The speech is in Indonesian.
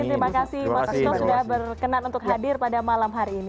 terima kasih mas bisno sudah berkenan untuk hadir pada malam hari ini